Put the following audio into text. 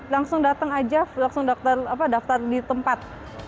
langsung datang aja langsung daftar di tempat